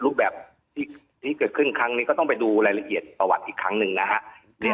รูปแบบที่เกิดขึ้นครั้งนี้ก็ต้องไปดูรายละเอียดประวัติอีกครั้งหนึ่งนะฮะ